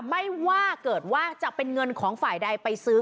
ไม่ว่าเกิดว่าจะเป็นเงินของฝ่ายใดไปซื้อ